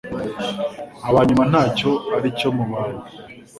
aba yumva ntacyo ari cyo mu bantu